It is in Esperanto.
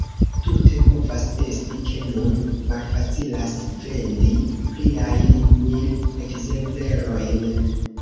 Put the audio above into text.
Tute povas esti, ke nun malfacilas vendi pliajn mil ekzemplerojn.